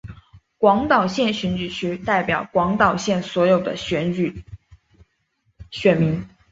广岛县选举区代表广岛县的所有选民。